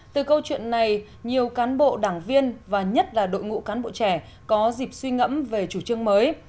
từ câu chuyện này nhiều cán bộ đảng viên và nhất là đội ngũ cán bộ trẻ có dịp suy ngẫm về chủ trương mới